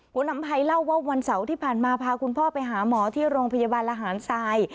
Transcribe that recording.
นำภัยเล่าว่าวันเสาร์ที่ผ่านมาพาคุณพ่อไปหาหมอที่โรงพยาบาลระหารทราย